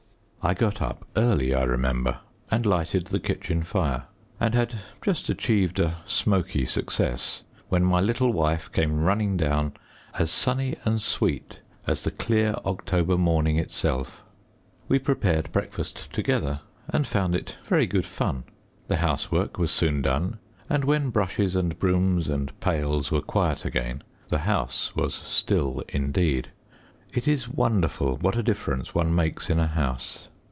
I got up early, I remember, and lighted the kitchen fire, and had just achieved a smoky success, when my little wife came running down, as sunny and sweet as the clear October morning itself. We prepared breakfast together, and found it very good fun. The housework was soon done, and when brushes and brooms and pails were quiet again, the house was still indeed. It is wonderful what a difference one makes in a house.